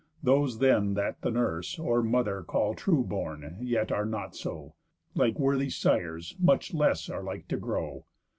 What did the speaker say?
Those then that the nurse Or mother call true born yet are not so, Like worthy sires much less are like to grow.